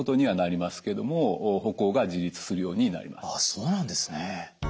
そうなんですね！